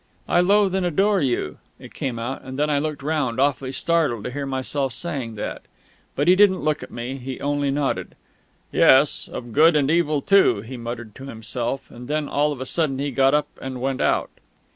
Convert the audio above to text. "I loathe and adore you!" it came; and then I looked round, awfully startled to hear myself saying that. But he didn't look at me. He only nodded. "Yes. Of good and evil too " he muttered to himself. And then all of a sudden he got up and went out.